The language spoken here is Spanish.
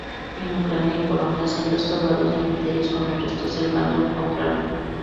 En Ucrania y Polonia se han restaurado cementerios con los restos del bando contrario.